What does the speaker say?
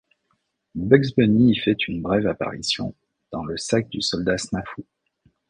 Bugs Bunny y fait une brève apparition dans le sac du soldat Snafu.